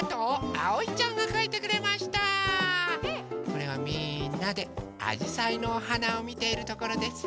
これはみんなであじさいのおはなをみているところです。